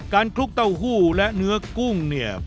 คลุกเต้าหู้และเนื้อกุ้งเนี่ย